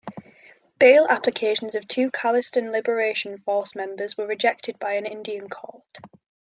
Bail applications of two Khalistan Liberation force members were rejected by an Indian court.